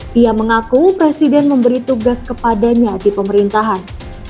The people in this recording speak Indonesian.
dia mengaku presiden memberi tugas kepadanya di pemerintahan